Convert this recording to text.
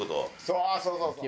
そうそうそう。